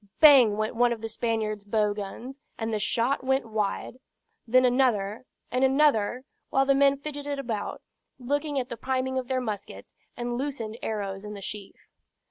Bang went one of the Spaniard's bow guns, and the shot went wide. Then another and another, while the men fidgeted about, looking at the priming of their muskets, and loosened arrows in the sheaf.